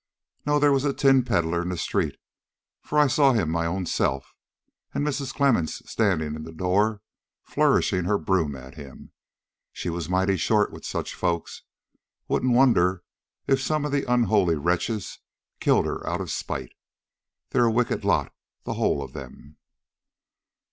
"No; there was a tin peddler in the street, for I saw him my own self, and Mrs. Clemmens standing in the door flourishing her broom at him. She was mighty short with such folks. Wouldn't wonder if some of the unholy wretches killed her out of spite. They're a wicked lot, the whole of them."